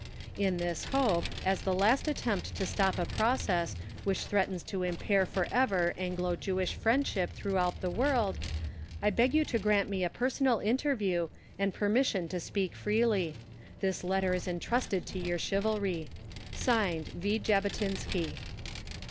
In this hope, as the last attempt to stop a process which threatens to impair for ever Anglo Jewish friendship throughout the world, I beg you to grant me a personal interview and permission to speak freely. This letter is entrusted to your chivalry. (Signed) V. JABOTINSKY.